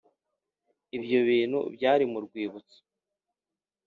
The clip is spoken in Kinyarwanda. ibyo bintu byari mu rwibutso ,